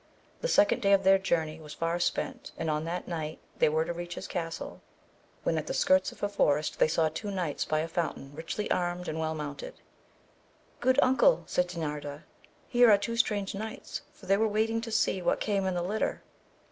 The second day of their journey was far spent, and on that night they were to reach his castle, when 15—2 228 AMADIS OF GAUL. at the skirts of a forest they saw two knights by a fountain, richly armed and well mounted. Good uncle, said Dinarda, here are two strange knights, fbr they were waiting to see what came in the litter.